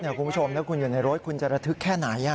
คุณผู้ชมแล้วคุณอยู่ในรถคุณจะระทึกแค่ไหน